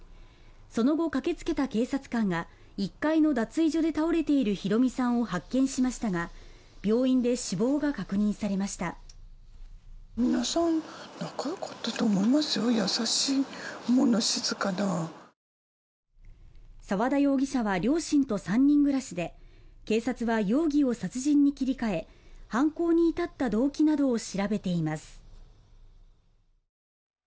その後駆けつけた警察官が１階の脱衣所で倒れている弘美さんを発見しましたが病院で死亡が確認されました澤田容疑者は両親と３人暮らしで警察は容疑を殺人に切り替え犯行に至った動機などを調べています